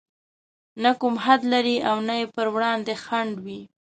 نه کوم حد لري او نه يې پر وړاندې خنډ وي.